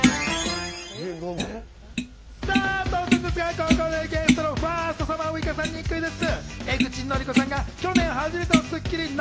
ここでゲストのファーストサマーウイカさんにクイズッス！